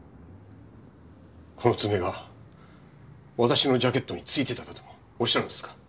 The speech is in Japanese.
この爪が私のジャケットに付いてたとでもおっしゃるんですか？